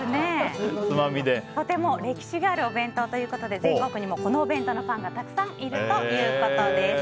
とても歴史があるお弁当ということで全国にも、このお弁当のファンがたくさんいるということです。